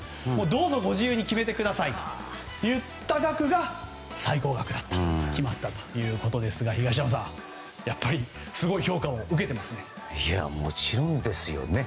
どうぞご自由に決めてくださいと言った額が最高額に決まったということですが東山さん、やっぱりすごい評価を受けていますよね。